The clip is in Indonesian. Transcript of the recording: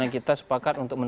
itu kita tunggu kapan